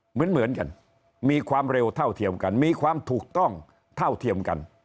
เหมือนกันมีความเร็วเท่าเทียมกันมีความถูกต้องเท่าเทียมกัน